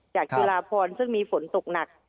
จากธิราพรซึ่งมีฝนตกหนัก